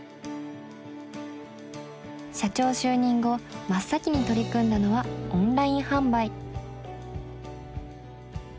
社長就任後真っ先に取り組んだのはオンライン販売。